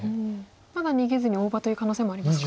まだ逃げずに大場という可能性もありますか。